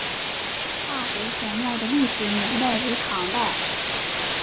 大湖神庙的历史年代为唐代。